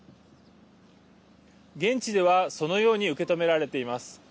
現地では、そのように受け止められています。